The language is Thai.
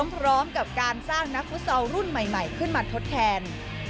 พร้อมกับการสร้างนักฟุตซอลรุ่นใหม่ขึ้นมาทดแทน